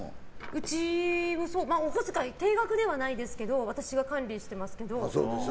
うちはお小遣い定額ではないですけど私が管理していますけど。